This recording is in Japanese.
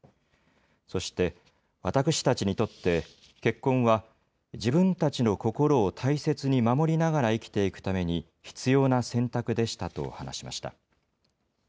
そして、私たちにとって、結婚は自分たちの心を大切に守りながら生きていくために必要な選択でしたと話しました。